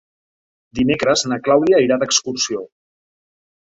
Dimecres na Clàudia irà d'excursió.